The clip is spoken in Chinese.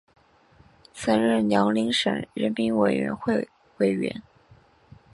曾任辽宁省人民委员会委员。